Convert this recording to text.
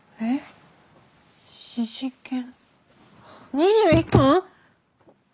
２１巻！